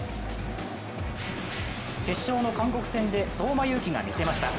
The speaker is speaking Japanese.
決勝の韓国戦で相馬勇紀が見せました。